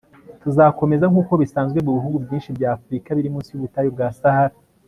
tuzakomeza, nk'uko bisanzwe mu bihugu byinshi by'afurika biri munsi y'ubutayu bwa sahara